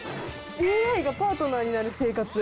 「ＡＩがパートナーになる生活」。